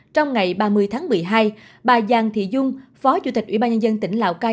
trong ngày ba mươi tháng một mươi hai bà giang thị dung phó chủ tịch ủy ban nhân dân tỉnh lào cai